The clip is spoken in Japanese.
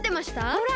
ほら！